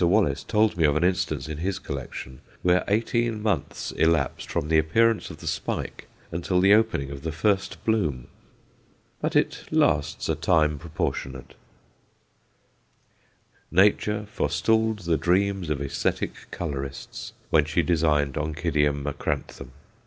Wallace told me of an instance in his collection where eighteen months elapsed from the appearance of the spike until the opening of the first bloom. But it lasts a time proportionate. [Illustration: ONCIDIUM MACRANTHUM Reduced to One Sixth] Nature forestalled the dreams of æsthetic colourists when she designed Oncidium macranthum.